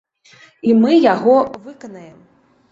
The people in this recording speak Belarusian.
І мы яго выканаем.